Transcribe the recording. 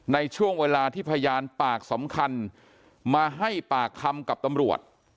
ในช่วงเวลาที่พยานปากสำคัญมาให้ปากคำกับตำรวจ